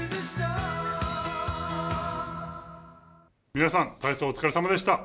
皆さん、体操お疲れさまでした。